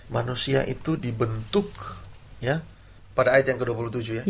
manusia itu dibentuk ya pada ayat yang ke dua puluh tujuh ya